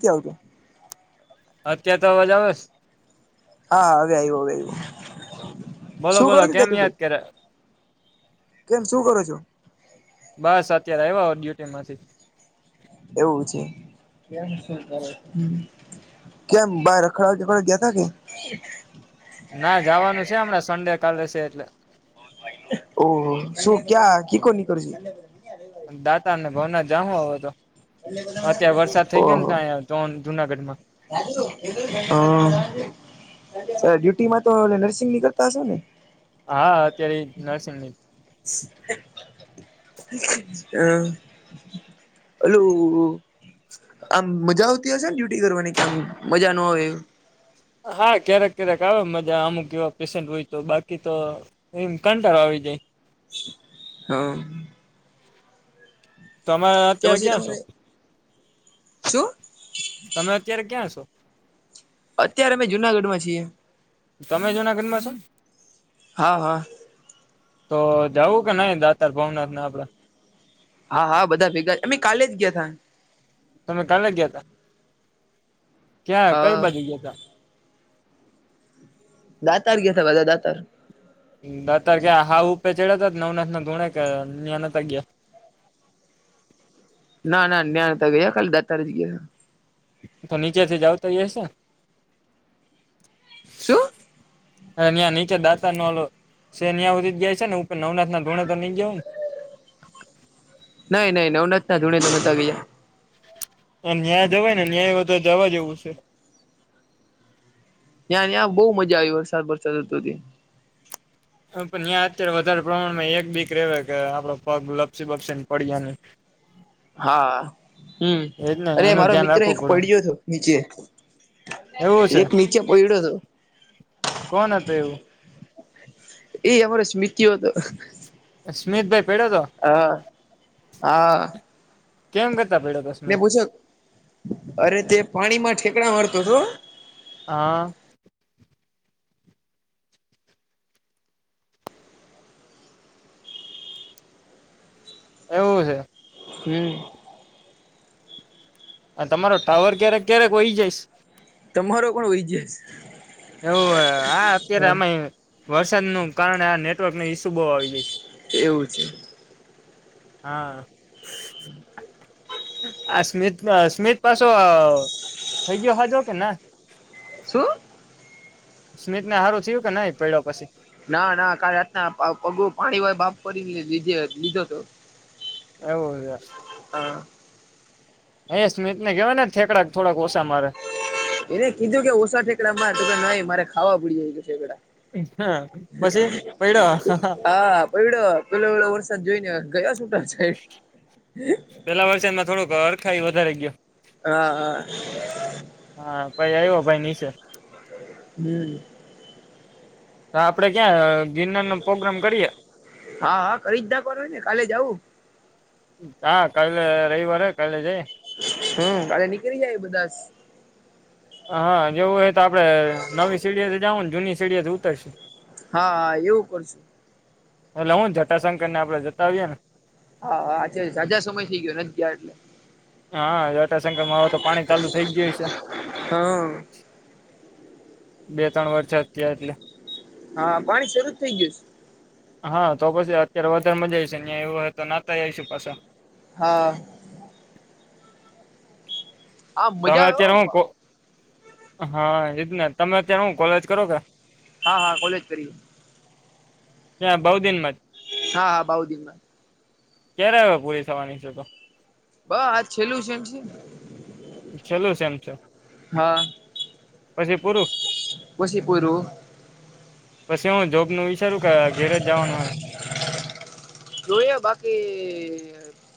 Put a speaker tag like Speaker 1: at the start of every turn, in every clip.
Speaker 1: તે આવતો
Speaker 2: અત્યારે તો અવાજ આવે છે
Speaker 1: હા હવે આવ્યો હવે આવ્યું
Speaker 2: બોલો
Speaker 1: શું
Speaker 2: બોલો
Speaker 1: કરું છે
Speaker 2: કેમ યાદ
Speaker 1: જદુભાઈ
Speaker 2: કર્યા
Speaker 1: કેમ શું કરો છો?
Speaker 2: બસ અત્યારે આય્વો ડ્યુટી માંથી
Speaker 1: એવું છે [inaudible] કેમ બાર રખડખડ ગયાતા કે
Speaker 2: ના જવાનું છે હમણાં સંડે કાલે છે એટલે
Speaker 1: ઓહ શું ક્યાં કી કો ની કરવું છું
Speaker 2: દાતાને ભાવના જામો હો તો અત્યારે વરસાદ થઇ ગયો ને જુનાગઢ માં
Speaker 1: હ ડ્યુટી માં તો નર્સિંગ નીકળતા હશે ને
Speaker 2: હા અત્યારે નરસિંહ ની
Speaker 1: હા હલું આમ મજા આવતી હશે ને ડ્યુટી કરવાની કેમ મજા ન આવેય
Speaker 2: હા ક્યારેક ક્યારેક આવે મજા અમુક એવા પેશન્ટ હોય તો બાકી તો એમ કંટાર આવી જાય
Speaker 1: હા
Speaker 2: તમે
Speaker 1: તો
Speaker 2: અત્યારે
Speaker 1: પછી
Speaker 2: ક્યાં છો
Speaker 1: તમારે શું?
Speaker 2: તમે અત્યારે ક્યાં છો?
Speaker 1: અત્યારે મે જુનાગઢ માં છીએ
Speaker 2: તમે જુનાગઢ માં છો
Speaker 1: હા હા
Speaker 2: તો દવું કે નઈ દાતાર ભાવનાથ ને આપડે
Speaker 1: હા હા બધા ભેગા અમે કાલે જ ગયા તા
Speaker 2: તમે કાલે ગયા તા ક્યાં કઈ
Speaker 1: હા
Speaker 2: બાજુ ગયા તા
Speaker 1: દાતાર ગયા તા બધા દાતાર
Speaker 2: દતારખ્યા હા ઉપે ચડતો જ નવનાથ ના ધુણે કે નનતા ગયા
Speaker 1: ના ના ન્યાણતા ગયા કાલ દત્તાર જ ગયા
Speaker 2: તો નીચેથી જાવ તો જશે
Speaker 1: શું
Speaker 2: ત્યાં નીચે દાતા નલો સેન્યાં સુધી જાય છે ને ઉપર નવનાથ ના ધોણે તો નઈ જવું ને
Speaker 1: નઈ નઈ નવનતતા ધૂણે નતા ગયા
Speaker 2: ન્યાય દવાય ને ન્યાય હો જવા જેવું છે
Speaker 1: ત્યાં ત્યાં બહુ મજા આવી વરસાદ વરસાદ હતો ત્યા
Speaker 2: પણ્યાં અત્યારે વધારે પ્રમાણમાં એક બીક રવા કે આપડો પગ લપસી બપસી ને પડ્યા ની
Speaker 1: હા હમ
Speaker 2: એજ ને
Speaker 1: અરે
Speaker 2: એનું
Speaker 1: મારો
Speaker 2: ધ્યાન
Speaker 1: મિત્ર
Speaker 2: રાખવું
Speaker 1: એક
Speaker 2: પડે
Speaker 1: પડ્યો હતો નીચે
Speaker 2: એવું છે
Speaker 1: એક નીચે પયડો હતો
Speaker 2: કોણ હતું એવુ
Speaker 1: એ અમારો સ્મતિઓ તો
Speaker 2: સ્મિતભાઈ પડ્યો તો
Speaker 1: હા હા
Speaker 2: કેમ કરતા દોસ્ત
Speaker 1: મેં પૂછો અરે તે પાણી માં ઠેકડા મારતો હતો.
Speaker 2: હા. એવું છે.
Speaker 1: હમ.
Speaker 2: આ તમારો ટાવર ક્યારેક ક્યારેક હોય જઈ.
Speaker 1: તમારો પણ વૈ જસ.
Speaker 2: એવું આ અત્યારે અમાં વરસાદનું કારણે આ નેટવર્ક ન ઈસ્યુ બહુ આવી જાય છે.
Speaker 1: એવું છે.
Speaker 2: હા. આ સ્મિત સ્મિત પાછો થઇ ગયો હજો કે ના?
Speaker 1: શું?
Speaker 2: સ્મિત ને હારું થયું કે નહી પડ્યા પછી?
Speaker 1: ના ના કાલે રાતના પગ પાણી વાય બાપ કરીનેે લીધો હતો. [unintelligible]
Speaker 2: એવું છે.
Speaker 1: હા.
Speaker 2: એ સ્મિત ને કેહેવા ને થેકડા થોડાક ઓછા મારે.
Speaker 1: એને કીધું કે ઓછા ઠેકડા માર તો કે ન મારે ખાવા પડી જાય છે ઠેકડા.
Speaker 2: પછી પડ્યો
Speaker 1: હા. [inaudible] પેલો વેલો વરસાદ જોઈ ને ગયા છૂટા સા [unintelligible]
Speaker 2: પેલા વર્ષમાં થોડોક હરખાાઈ વધારે ગયો.
Speaker 1: હા હા
Speaker 2: હા ભાઈ આવ્યો ભાઈ નીચે
Speaker 1: હ.
Speaker 2: આપડે ક્યાં ગિરનાર નો પ્રોગ્રામ કરીએ?
Speaker 1: હા હા કરી જ નાખવાનુંને કાલે જવું
Speaker 2: હા કાલે રવિવારે કાલે જાય.
Speaker 1: હમ કાલે નીકળી જાય બધા.
Speaker 2: હા જેવું હોય તો આપડે નવી સીડીએથી જ જાાવું ને જૂની સીડીથી ઉતરશું.
Speaker 1: હા હા એવું કરશું.
Speaker 2: એલે હું જટાશંકર ને આપડ જતા આવીએ ને.
Speaker 1: હા હા આચે સાદા સમય થઈ ગયો નથી ગયા એટલે.
Speaker 2: હા જતાંસંકમાં હોવે તો પાણી ચાલુ થઈ ગયું હશે.
Speaker 1: હા
Speaker 2: બે ત્રણ વર્ષયા એટલે
Speaker 1: હા પાણી શરૂ જ થઇ ગયું છે.
Speaker 2: હા તો પછી અત્યારે વધારે મજા આવીશે ત્યાં એવું હોય તો નાતા આવીશું પાછા.
Speaker 1: હા. હા
Speaker 2: તમે
Speaker 1: મજા આવે
Speaker 2: અત્યારે
Speaker 1: હો
Speaker 2: હું હા એ તમે અત્યારે હું કોલેજ કરો કે
Speaker 1: હા હા કોલેજ કરી.
Speaker 2: હા બહુ દિનમાં
Speaker 1: હા હા બઉુ દિનમાં
Speaker 2: ક્યારે હવે પૂરી થવાની છે તો
Speaker 1: બહ આજ છેલ્લું છે સેમ છે.
Speaker 2: છેલ્લું સેમ છે.
Speaker 1: હા
Speaker 2: પછી પૂરું
Speaker 1: પછી પૂરું.
Speaker 2: પછ એવું જોબ ન વિચારું કે ઘેરે જ જવાનું હોય?
Speaker 1: જોયા બાકી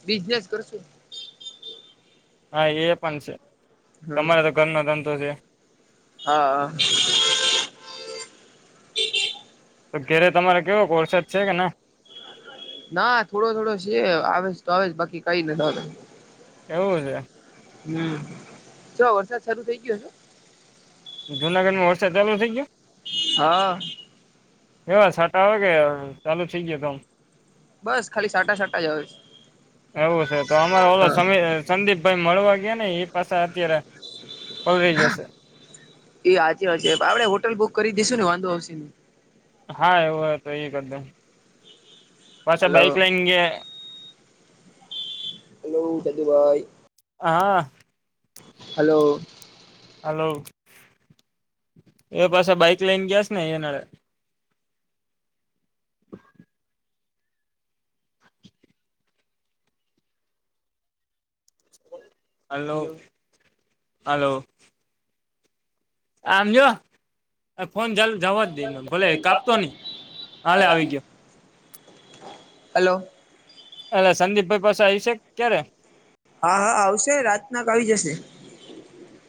Speaker 1: બિઝનેસ કરશું
Speaker 2: હા એ પણ છે
Speaker 1: હમ
Speaker 2: તમારે તો ઘરનો ધંધો છે.
Speaker 1: હા હા.
Speaker 2: તો ઘરે તમારે કેવો કોરસાદ છે કે ના?
Speaker 1: ના થોડો થોડો છે આવે તો આવે બાકી કઈ ને
Speaker 2: એવું છે
Speaker 1: હમ તો વરસાદ શારુ થઇ ગયો હશે
Speaker 2: જુનાગઢમાં મોરસા ચાલુ થઈ ગયો
Speaker 1: હા
Speaker 2: એવા સાટા આવે કે ચાલો ઠીક ગયો તોમ
Speaker 1: બસ ખાલી સાટા સાટા જ આવે છે
Speaker 2: એવું છે તો અમારે ઓલો
Speaker 1: હા
Speaker 2: સમી સંદીિપભાઈ મળવા ગયા ને એ પાસે અત્યારે પલરાઈ જશે
Speaker 1: એ હચ વા આપણે હોટલ બુક કરી દઈશું ને વાંધો આવશે ને
Speaker 2: હા એવું હો તો એ કરદ પાછા
Speaker 1: હલો
Speaker 2: બાઈક લઈ
Speaker 1: હલો દાદુભાઈ
Speaker 2: હા
Speaker 1: હલો
Speaker 2: હલોો એ પાસે બાઈક લઈને ગયા છે ને એનાળે હલોો હલોો આમજ ફોન જવા જ દઈ ભલે કાપતો નઈ હાલે આવી ગયો
Speaker 1: હલો
Speaker 2: એલે સંદીપભાઈ પાસે આવી છે ક્યારે
Speaker 1: હા હા આવશે રાત નાક આવી જશે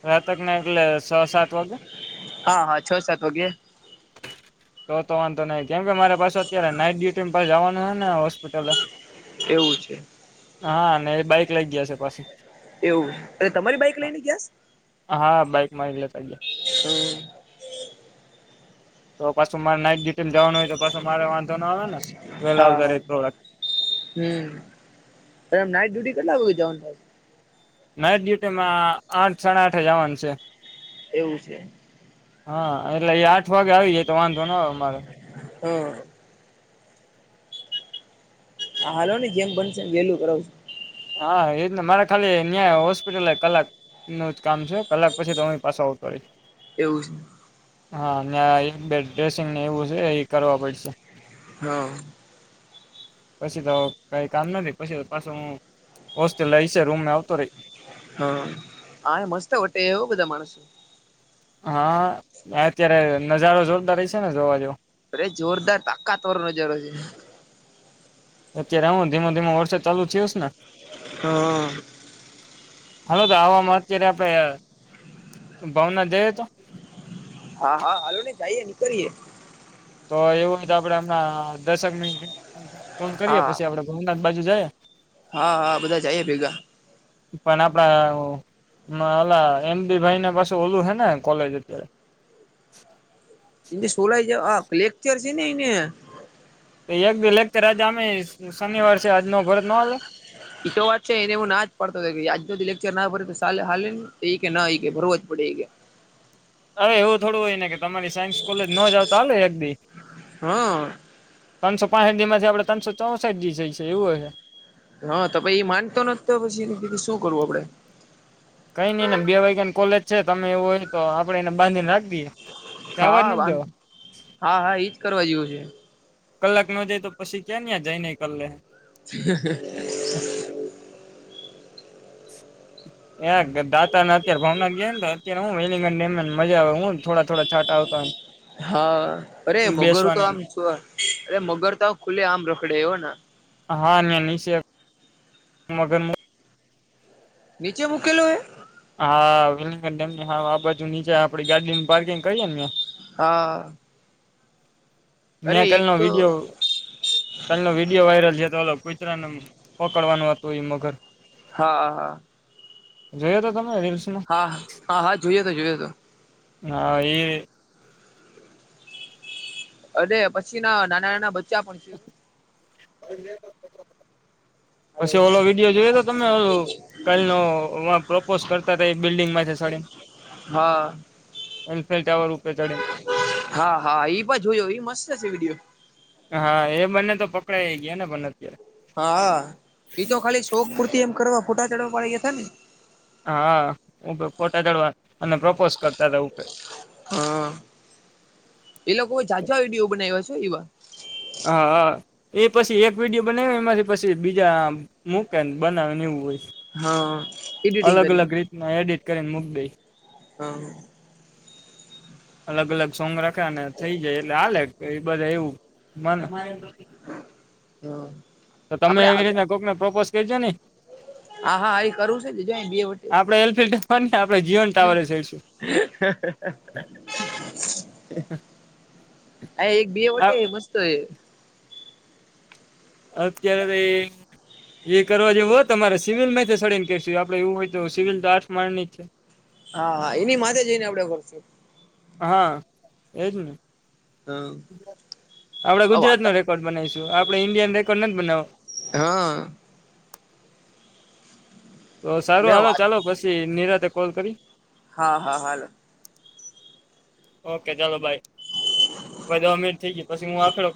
Speaker 2: રાતક ના એટલે સવા સાત વાગે
Speaker 1: હા હા છ સાત વાગે
Speaker 2: તો તો વાંધો નહી કેમ કે મારે પાસે અત્યારે નાઈટ ડ્યુટી પા જવાનું છે ને હોસ્પિટલ
Speaker 1: એવું છે
Speaker 2: હા અને બાઈક લઈ ગયા છે પાછી
Speaker 1: એવું અ તમારી બાઈક લઈ ને ગયા
Speaker 2: હા બાઇક માંગલે સગે
Speaker 1: હમ
Speaker 2: તો પાછું મારે નાઈટ ડ્યુટી જવાનું હોય તો પાછ મારે વાંધો ના આવે ને પેલા
Speaker 1: હા હા
Speaker 2: આવતા ર
Speaker 1: હમ નાઈટ ડ્યુટી કેટલા હો જવાનું
Speaker 2: નાઈટ ડ્યુટી માં આઠ સાડા આઠ જવાનું છે
Speaker 1: એવું છે
Speaker 2: હા એટલે એ આઠ વાગે આવી જાય તો વાંધો ના આવે અમારે
Speaker 1: હા હા હાલો ને જેમ બનશે એ વેલું કરાવ
Speaker 2: હા એજ ને મારા ખાલી ન્યાં હોસ્પિટલ કલાક નું જ કામ છે કલાક પછી તો અરી પાસે આવતો હોય
Speaker 1: એવું જ
Speaker 2: હા બે ડ્રેસિંગને એવું છે એ કરવા પડશે
Speaker 1: હા
Speaker 2: પછી તો કઈ કામ નથી પછી તો પાછું હોસ્ટેલ છે રૂમમે આવતો રહી
Speaker 1: હા હા મસ્ત વટે એવું બધા માણસો
Speaker 2: હા અત્યારે નજારો જોરદાર ર છે ને જોવા જોવો
Speaker 1: અરે જોરદાર તાકાતવર નજાર છે
Speaker 2: અત્યારે હું ધીમો ધીમો વર્ષે ચાલુ થયસ ને
Speaker 1: હા
Speaker 2: હલો તો આવામાં અત્યારે આપડે ભાવના જઈએ તો
Speaker 1: હા હા હાલો ને જઈએે નીકળીયે
Speaker 2: તો એવું હોય તો આપડે હમણા દર્શકની ફોન કરીએ
Speaker 1: હા
Speaker 2: પછી આપડે ભોનાથ બાજુ જઈએ
Speaker 1: હા હા બધા જઈએ ભેગા
Speaker 2: ના આપ અલા એમ બી ભાઈના પાસે ઓલું હે ને કોલેજ અત્યારે.
Speaker 1: એ સોલાઈ જ લેકચર છે ને એને.
Speaker 2: એક દિવ લેકચ આજે અમે શનિવાર છે આજનો ઘર ન.
Speaker 1: તો વાત છે એને હું ના જ પાડતો હતો આજ લેકચર ના ભ હા ને એ કે ના ભરવું જ પડે એ કે.
Speaker 2: અરે એવું થોડું હોય ને કે તમારી સાયન્સ કોલેજ ન જાવ તો ચાલે એકી.
Speaker 1: હા.
Speaker 2: ત્રસો પાંસઠી માંથી આપણે ત્રણસો ચોસઠડીી જાયએ એવું હ છે.
Speaker 1: હા ત એ માનતો નથી તો પછી શું કરવું આપડે.
Speaker 2: કઈ નઈિ ને બે વાગ્યા ને કોલેજ છે તમે એવું હોય તો આપડે એને બાંધીને રાખ દઈએ. જવા જ
Speaker 1: હા
Speaker 2: નથી દેવા
Speaker 1: હા હા એજ કરવા જેવું છે.
Speaker 2: કલાક ન જાય તો પછી ક્યાં ન્યા જાય નને કલ્લે.
Speaker 1: હ [unintelligible]
Speaker 2: [inaudible] એ દાતાને અત્યારે ભાવ ગયા ને તો અત્યારે હ વેલિંગ મજા આવે હું થોડા થોડા છાંા આવતા.
Speaker 1: હા અરે મગર તો
Speaker 2: બેસવાની
Speaker 1: આમ છ અરે મગર તો ખુલ્લે આમ રખડે એવો ને.
Speaker 2: હા નીચ મગર.
Speaker 1: નીચે મૂકેલું હ.
Speaker 2: હા વેલિંગન ડેમ ની હ આ બાજુ નીચે આપડી ગાડીનું પાર્કિંગ કરીએે ને.
Speaker 1: હા. અરે
Speaker 2: મેં
Speaker 1: એક
Speaker 2: કલનો
Speaker 1: તો
Speaker 2: વિડીિયો. કા ન વિડીિયો વાયરલ છે તો કુતરાને પકડવાનું હતું એ મગર.
Speaker 1: હા હા હા.
Speaker 2: જોયો તો તમને રીલ્સ.
Speaker 1: હા હા હા જોયયો તો જોયો હતો.
Speaker 2: હ એ.
Speaker 1: અને પછી ના નાના નાના બચ્ચા પણ છે.
Speaker 2: અને. પછી ઓલો વિડીયો જોઈએ તો તમે. કલ ન પ્રોપોઝ કરતા હતા એ બિલ્ડિંગ માંથી સડીને.
Speaker 1: હા.
Speaker 2: એ ફેલ રૂપે ચઢે.
Speaker 1: હા હા ઈ પણ જોયો મસ્ત હશે વિડીયો.
Speaker 2: હા એ બંને તો પકડાઈ ગયા ને પણ અત્યારે.
Speaker 1: હા ઈતો ખાલી શોક પૂરતી એમ કરવા ફૂટા ચડવા પાડડી ગયા હતા ને.
Speaker 2: હા હ ફોટા ચડવા અને પ્રપોઝ કરતા રહ.
Speaker 1: હા એ લોકો જાઝા વિડીયો બનાવ્યા છે એવા.
Speaker 2: હા હા. એ પછી એક વિડીિયો બનાવે એમાંથી પછી બીજા મૂકે બનાવે ને એવું હોય.
Speaker 1: હા એડિટિંગ કરીને.
Speaker 2: ના એડિટ કરીને મુૂક દઈ.
Speaker 1: હમ.
Speaker 2: અલગ અલગ સોંગ રાખ્યાને થઈ જાય એટલે આાલે એ બધા એવું મને.
Speaker 1: હ
Speaker 2: તો તમે એવી રીતના કોકને પ્રોપોઝ કરીજો ને.
Speaker 1: હા હા એ કરવું છે જ બે વટે
Speaker 2: આપડે એલપી ટાવર ને આપણે જીવન ટાવર જડશું.
Speaker 1: [inaudible] હ એક બિય વટે મસ્ત એ.
Speaker 2: અત્યારે તો. એ કરવા જે હોય તમારે સિવિલ માંથી સડીને કેશ આપડે એવું હોય તો સિવિલ તો આઠ માણ ની જ છે.
Speaker 1: હા હા એની માથે જઈને આવડે કરશું.
Speaker 2: હા એજ ને
Speaker 1: હા
Speaker 2: આપડે ગુજરાત
Speaker 1: વાત
Speaker 2: નો રેકોર્ડ બનાવીશું આપડણે ઇન્ડિયન રેકોર્ડ નથી બનાવો
Speaker 1: હા
Speaker 2: તો સારું
Speaker 1: એટલે
Speaker 2: હાલો
Speaker 1: વાત
Speaker 2: ચાલો પછી નિરાતે કોલ કરી
Speaker 1: હા હા હાલ
Speaker 2: ઓકે ચાલો ભાઈ બધો અમીર થઇ ગયો પછી હું આક્લો